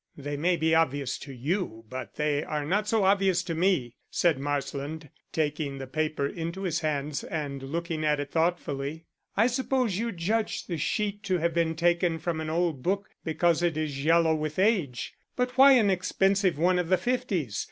"They may be obvious to you, but they are not so obvious to me," said Marsland, taking the paper into his hands and looking at it thoughtfully. "I suppose you judge the sheet to have been taken from an old book, because it is yellow with age, but why an expensive one of the fifties?